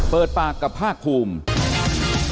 เปิดปากกับภาคภูมิ